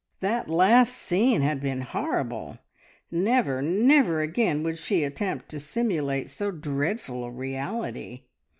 That last scene had been horrible; never, never again would she attempt to simulate so dreadful a reality!